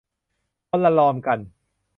คนละรอมกัน